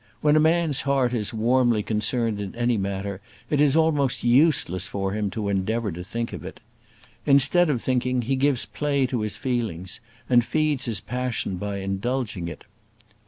When a man's heart is warmly concerned in any matter, it is almost useless for him to endeavour to think of it. Instead of thinking, he gives play to his feelings, and feeds his passion by indulging it.